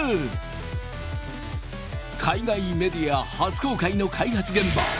海外メディア初公開の開発現場。